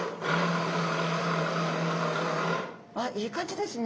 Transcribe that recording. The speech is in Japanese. あっいい感じですね。